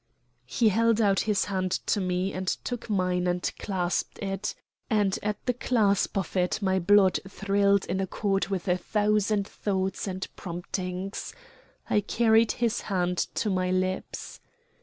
He held out his hand to me, and took mine and clasped it; and at the clasp of it my blood thrilled in accord with a thousand thoughts and promptings. I carried his hand to my lips.